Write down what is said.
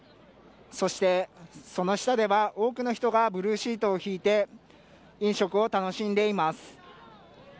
そして、その下では多くの人がブルーシートを敷いて飲食を楽しんでいます。